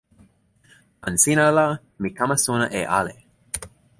tan sina la mi kama sona e ale.